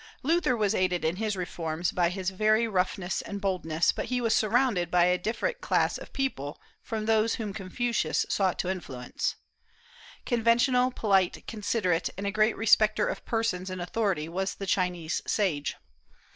Luther was aided in his reforms by his very roughness and boldness, but he was surrounded by a different class of people from those whom Confucius sought to influence. Conventional, polite, considerate, and a great respecter of persons in authority was the Chinese sage.